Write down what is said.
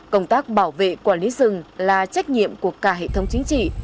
công tác bảo vệ quản lý rừng là trách nhiệm của cả hệ thống chính trị